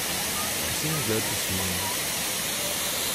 She seemed glad to see me.